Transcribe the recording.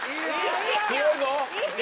強いぞ！